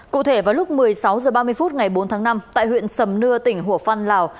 cụ thể vào lúc một mươi sáu h ba mươi phút ngày bốn tháng năm tại huyện sầm nưa tỉnh hồ phan lào